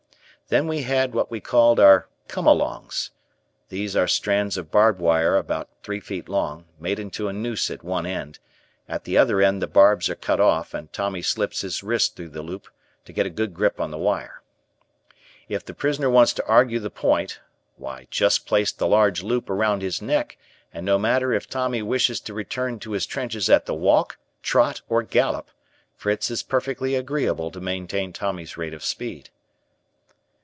Then we had what we called our "come alongs." These are strands of barbed wire about three feet long, made into a noose at one end; at the other end, the barbs are cut off and Tommy slips his wrist through a loop to get a good grip on the wire. If the prisoner wants to argue the point, why just place the large loop around his neck and no matter if Tommy wishes to return to his trenches at the walk, trot, or gallop, Fritz is perfectly agreeable to maintain Tommy's rate of speed.